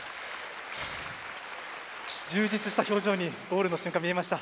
充実した表情にゴールの瞬間見えました。